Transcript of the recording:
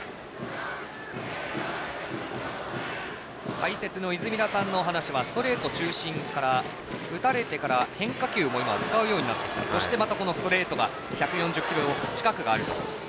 解説の泉田さんのお話はストレート中心から打たれてから変化球も使うようになってきてそしてまたストレートが１４０キロ近くがあると。